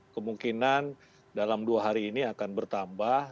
kemungkinan dalam dua hari ini akan bertambah